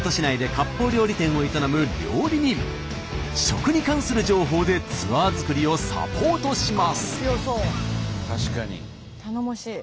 京都市内で食に関する情報でツアー作りをサポートします。